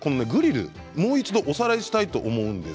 もう一度、おさらいしたいと思います。